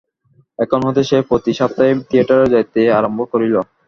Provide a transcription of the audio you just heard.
এখন হইতে সে প্রতি সপ্তাহেই থিয়েটারে যাইতে আরম্ভ করিল।